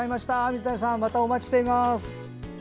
水谷さん、またお待ちしています。